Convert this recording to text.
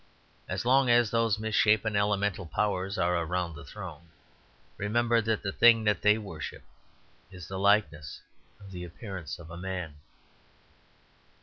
As long as those misshapen elemental powers are around the throne, remember that the thing that they worship is the likeness of the appearance of a man.